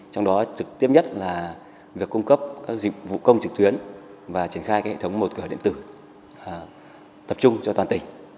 trong đó trực tiếp nhất là việc cung cấp các dịch vụ công trực tuyến và triển khai hệ thống một cửa điện tử tập trung cho toàn tỉnh